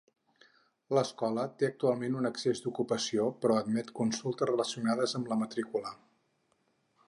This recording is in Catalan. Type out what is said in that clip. L'escola té actualment un excés d'ocupació però admet consultes relacionades amb la matrícula.